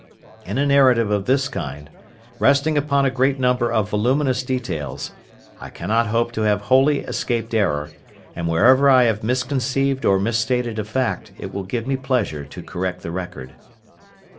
In a narrative of this kind, resting upon a great number of voluminous details, I cannot hope to have wholly escaped error, and wherever I have misconceived or misstated a fact, it will give me pleasure to correct the record.